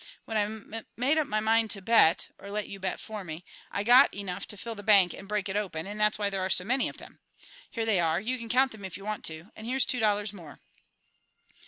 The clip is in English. When I mum made up my mind to bet or let you bet for me I got enough to fill the bank and break it open; and that's why there are so many of them. Here they are; you can count them if you want to. And here's two dollars more."